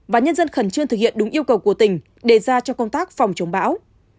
và nhân dân khẩn trương thực hiện đúng yêu cầu của tỉnh đề ra trong công tác phòng chống bão